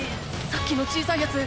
さっきの小さい奴？